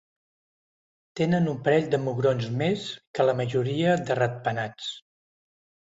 Tenen un parell de mugrons més que la majoria de ratpenats.